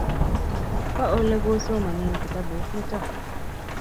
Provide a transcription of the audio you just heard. Po ole kosomane kitabut nitok